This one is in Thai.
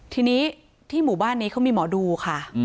ทีนี้ที่หมู่บ้านนี้เขามีหมอดูค่ะ